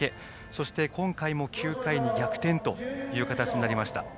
そして今回も９回に逆転という形になりました。